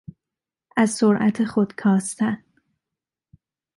از سرعت خود کاستن